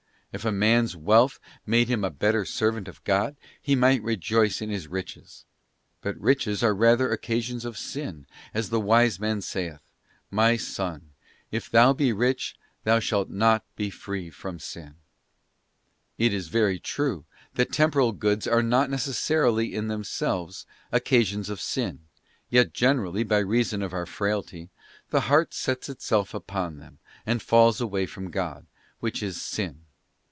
If a man's wealth made him a better servant of God, he might rejoice in his riches; but riches are rather occasions of sin, as the Wise Man saith: 'Myson... if thou be rich, thou shalt not be free from sin.'* It is very true that temporal goods are not necessarily, in themselves, occa sions of sin, yet generally, by reason of our frailty, the heart sets itself upon them, and falls away from God, which is sin.